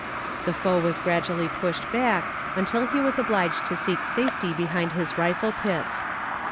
The foe was gradually pushed back until he was obliged to seek safety behind his rifle pits.